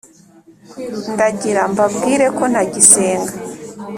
ndagira mbabwire ko ntagisenga